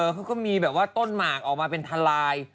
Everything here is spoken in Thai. เขาก็มีแบบว่าต้นหมากออกมาเป็นทลาย